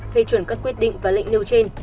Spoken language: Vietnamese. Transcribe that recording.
phê chuẩn các quyết định và lệnh nêu trên